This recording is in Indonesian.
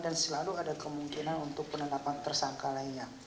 dan selalu ada kemungkinan untuk penetapan tersangka lainnya